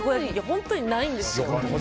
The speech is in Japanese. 本当にないんですよ。